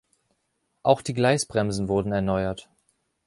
Auch die Gleisbremsen wurden erneuert.